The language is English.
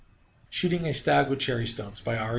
SHOOTING A STAG WITH CHERRY STONES By R.